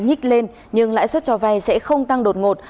nhích lên nhưng lãi suất cho vay sẽ không tăng đột ngột